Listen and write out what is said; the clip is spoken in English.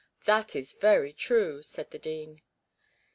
'That is very true,' said the dean.